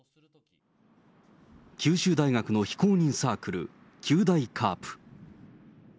九州大学の非公認サークル、九大カープ。